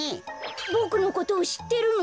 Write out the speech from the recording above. ボクのことをしってるの？